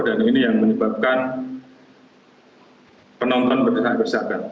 dan ini yang menyebabkan penonton bersahabat